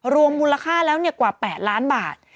รวมมูลค่าแล้วกว่า๘ล้านบาท